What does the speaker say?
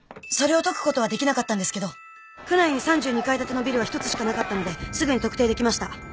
それを解くことはできなかったんですけど区内に３２階建てのビルは１つしかなかったのですぐに特定できました。